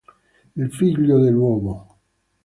Il figlio dell'uomo